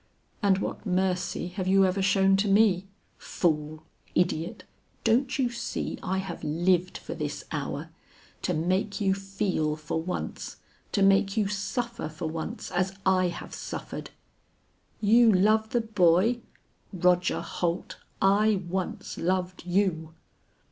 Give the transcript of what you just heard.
"And what mercy have you ever shown to me! Fool, idiot, don't you see I have lived for this hour! To make you feel for once; to make you suffer for once as I have suffered. You love the boy! Roger Holt, I once loved you."